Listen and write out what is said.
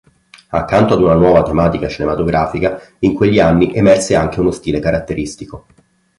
Accanto ad una nuova tematica cinematografica, in quegli anni emerse anche uno stile caratteristico.